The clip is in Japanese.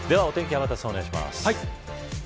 天達さん、お願いします。